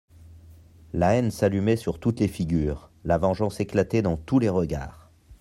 La haine s'allumait sur toutes les figures, la vengeance éclatait dans tous les regards.